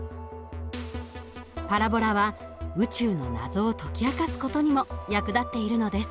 パラボラは宇宙の謎を解き明かす事にも役立っているのです。